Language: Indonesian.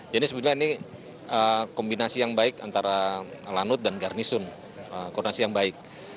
jadi sebenarnya ini kombinasi yang baik antara lanut dan garnisun kombinasi yang baik